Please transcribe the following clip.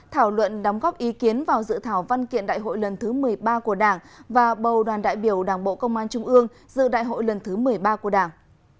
thảo luận đóng góp ý kiến vào dự thảo văn kiện đại hội lần thứ một mươi ba của đảng và bầu đoàn đại biểu đảng bộ công an trung ương dự đại hội lần thứ một mươi ba của đảng